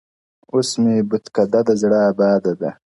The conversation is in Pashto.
اوس مي بُتکده دزړه آباده ده,